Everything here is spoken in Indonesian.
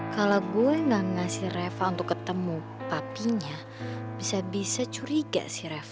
kalau gue gak ngasih reva untuk ketemu papinya bisa bisa curiga sih reva